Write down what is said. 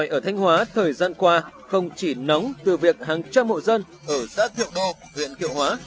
các cát sỏi ở thanh hóa thời gian qua không chỉ nóng từ việc hàng trăm hộ dân ở xã thiệu đô huyện kiệu hóa